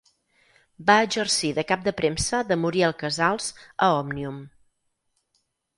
Va exercir de cap de premsa de Muriel Casals a Òmnium.